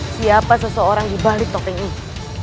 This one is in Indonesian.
siapa seseorang di balik topeng ini